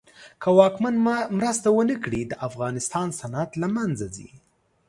که واکمن مرسته ونه کړي د افغانستان صنعت له منځ ځي.